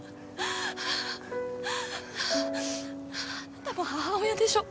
あなたも母親でしょ。